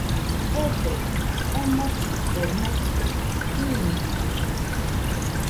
Ebee, omokɨ kue maite, bɨñokaɨɨɨ